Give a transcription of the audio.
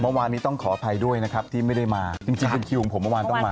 เมื่อวานนี้ต้องขออภัยด้วยนะครับที่ไม่ได้มาจริงเป็นคิวของผมเมื่อวานต้องมา